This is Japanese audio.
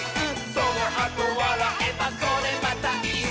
「そのあとわらえばこれまたイス！」